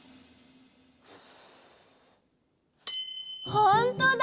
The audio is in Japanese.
ほんとだ！